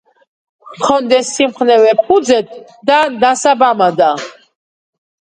ჰქონდეს სიმხნევე ფუძედ და დასაბამადა